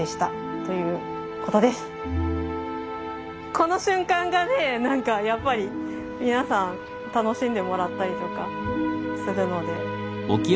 この瞬間がね何かやっぱり皆さん楽しんでもらったりとかするので。